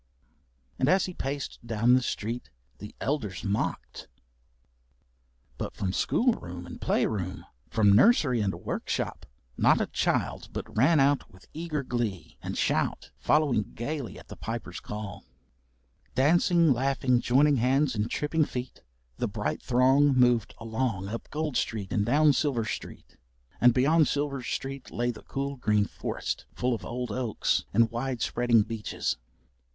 And as he paced down the streets the elders mocked, but from school room and play room, from nursery and workshop, not a child but ran out with eager glee and shout following gaily at the Piper's call. Dancing, laughing, joining hands and tripping feet, the bright throng moved along up Gold Street and down Silver Street, and beyond Silver Street lay the cool green forest full of old oaks and wide spreading beeches.